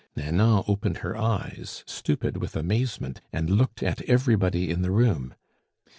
Nanon opened her eyes, stupid with amazement, and looked at everybody in the room.